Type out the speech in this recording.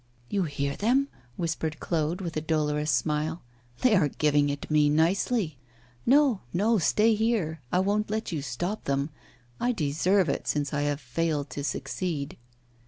'You hear them?' whispered Claude, with a dolorous smile; 'they are giving it me nicely! No, no, stay here, I won't let you stop them; I deserve it, since I have failed to succeed.